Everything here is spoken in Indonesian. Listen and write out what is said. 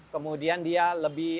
kemudian dia lebih